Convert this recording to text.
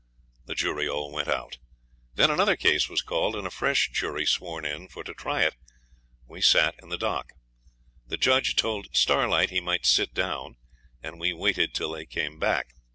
..... The jury all went out. Then another case was called on, and a fresh jury sworn in for to try it. We sat in the dock. The judge told Starlight he might sit down, and we waited till they came back.